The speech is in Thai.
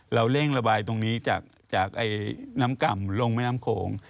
เราเร่งระบายตรงนี้จากน้ำก่ำลงแม่น้ำโขง